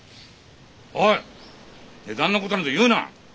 おいっ値段のことなんか言うな！